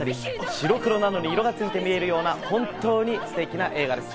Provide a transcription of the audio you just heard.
白黒なのに色がついて見えるような、本当にすてきな映画です。